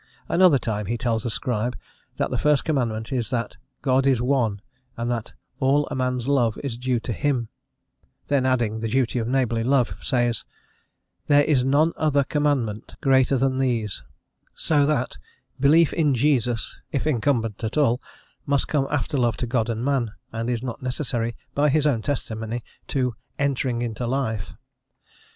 Another time, he tells a Scribe that the first commandment is that God is one, and that all a man's love is due to Him; then adding the duty of neighbourly love, he says: "There is none other commandment greater than these:" so that "belief in Jesus," if incumbent at all, must come after love to God and man, and is not necessary, by his own testimony, to "entering into life."